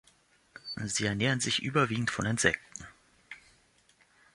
Sie ernähren sich überwiegend von Insekten.